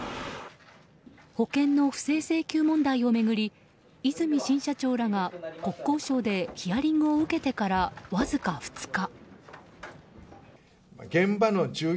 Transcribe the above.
保険の不正請求問題を巡り和泉新社長らが国交省でヒアリングを受けてからわずか２日。